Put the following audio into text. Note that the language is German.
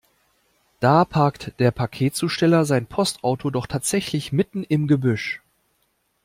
Da parkt der Paketzusteller sein Postauto doch tatsächlich mitten im Gebüsch!